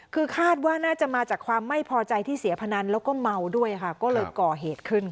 คือคาดว่าน่าจะมาจากความไม่พอใจที่เสียพนันแล้วก็เมาด้วยค่ะก็เลยก่อเหตุขึ้นค่ะ